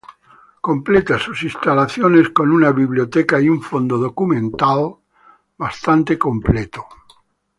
Completa sus instalaciones con una biblioteca y un fondo documental bastante completo.